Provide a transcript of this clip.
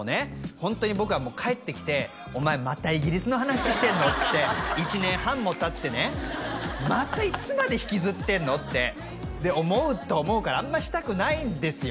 ホントに僕は帰ってきてお前またイギリスの話してんのっつって１年半もたってねまたいつまで引きずってんのってで思うと思うからあんましたくないんですよ